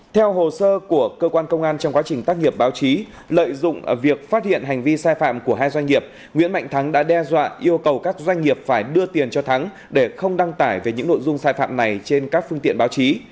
theo hồ sơ của cơ quan công an trong quá trình tác nghiệp báo chí lợi dụng việc phát hiện hành vi sai phạm của hai doanh nghiệp nguyễn mạnh thắng đã đe dọa yêu cầu các doanh nghiệp phải đưa tiền cho thắng để không đăng tải về những nội dung sai phạm này trên các phương tiện báo chí